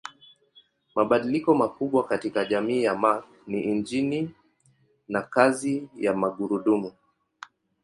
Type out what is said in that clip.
Mabadiliko makubwa katika jamii ya Mark ni injini na kazi ya magurudumu.